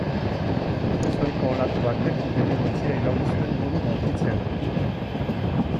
Ezohiko olatu batek bere ontzia irauli zuen modu bortitzean.